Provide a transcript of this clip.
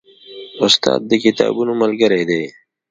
استاد د کتابونو ملګری دی.